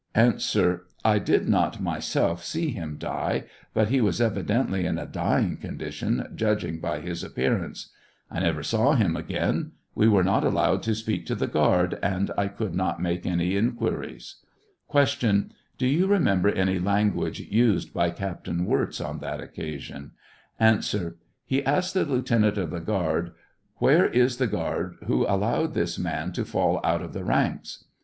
A I did not, myself, see him die; but he was evidently in a dying condition, judging by his appearance. I neVer saw him again; we were not allowed to speak to the guard, and ' rl"you :^Lmbi"^ny la; guage used by Captain Wirz on that occasion ? A HeLkedthe lieutenint of the guard, "Where is the guard who allowed tbismanto fail out of the ranks?"